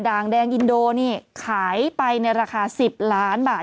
ด่างแดงอินโดนี่ขายไปในราคา๑๐ล้านบาท